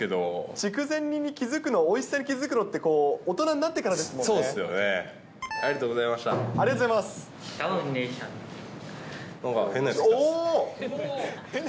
筑前煮に気付くの、おいしさに気付くのって、大人になってからですもんね。